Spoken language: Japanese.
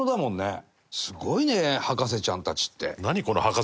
すごいね博士ちゃんたちって。